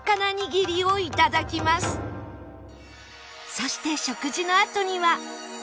そして食事のあとには